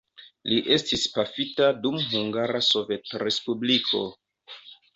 Li estis pafita dum Hungara Sovetrespubliko.